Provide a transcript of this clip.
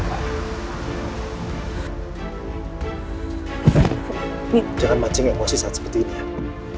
jangan macing emosi saat seperti ini